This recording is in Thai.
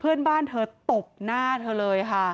เพื่อนบ้านเธอตบหน้าเธอเลยค่ะ